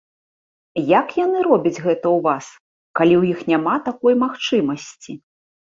Як яны робяць гэта ў вас, калі ў іх няма такой магчымасці?